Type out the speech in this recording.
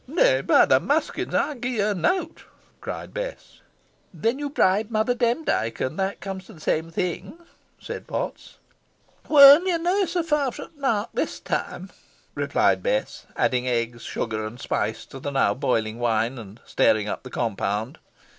"Nay, by th' maskins! ey gi' her nowt," cried Bess. "Then you bribe Mother Demdike, and that comes to the same thing," said Potts. "Weel, yo're neaw so fur fro' t' mark this time," replied Bess, adding eggs, sugar, and spice to the now boiling wine, and stirring up the compound.